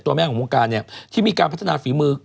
แม่ของวงการเนี่ยที่มีการพัฒนาฝีมือ